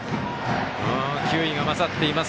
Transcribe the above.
球威が勝っています。